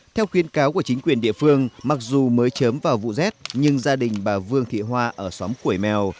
theo khuyên cáo của chính quyền địa phương mặc dù mới chớm vào vụ rét nhưng gia đình bà vương thị hoa ở xóm củi mèo